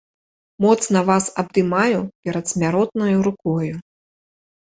Моцна вас абдымаю перадсмяротнаю рукою.